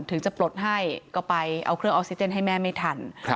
ถึงจะปลดให้ก็ไปเอาเครื่องออกซิเจนให้แม่ไม่ทัน